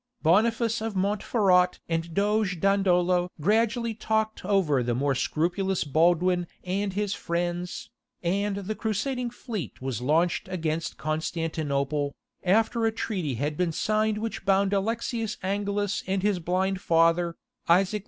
Boniface of Montferrat and Doge Dandolo gradually talked over the more scrupulous Baldwin and his friends, and the crusading fleet was launched against Constantinople, after a treaty had been signed which bound Alexius Angelus and his blind father, Isaac II.